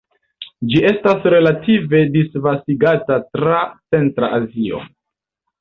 Ĝi estas relative disvastigata tra centra Azio.